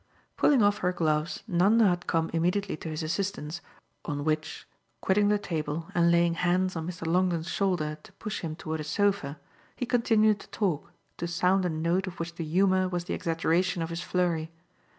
Pulling off her gloves Nanda had come immediately to his assistance; on which, quitting the table and laying hands on Mr. Longdon's shoulder to push him toward a sofa, he continued to talk, to sound a note of which the humour was the exaggeration of his flurry.